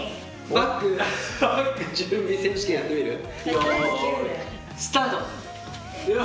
よいスタート！